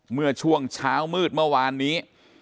เมื่อช่วงเช้ามืดเมื่อวานนี้